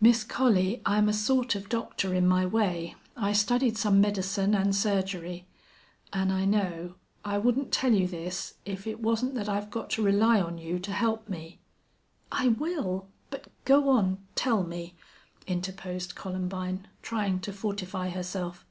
"Miss Collie, I'm a sort of doctor in my way. I studied some medicine an' surgery. An' I know. I wouldn't tell you this if it wasn't that I've got to rely on you to help me." "I will but go on tell me," interposed Columbine trying to fortify herself.